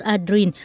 anh và ông trump